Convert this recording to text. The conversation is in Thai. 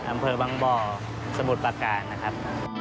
อำเภอบางบ่อสมุทรประการนะครับ